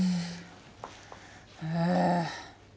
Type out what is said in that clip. ああ。